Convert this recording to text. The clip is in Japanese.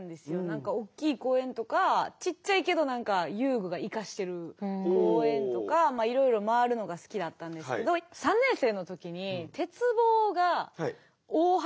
何かおっきい公園とかちっちゃいけど何か遊具がいかしてる公園とかいろいろ回るのが好きだったんですけど３年生の時に鉄棒が大はやりしたというか